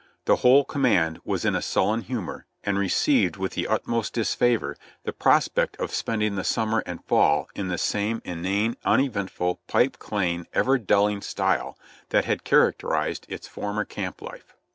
The whole command was in a sullen humor and received with the utmost disfavor the prospect of spending the summer and fall in the same inane, uneventful, pipe claying, ever dulling style that had characterized its former camp life.